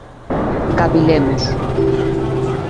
Cavilemos.